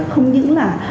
không những là